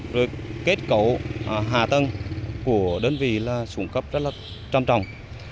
rồi kết cậu hạ tầng của đơn vị là sủng cấp rất là trăm trọng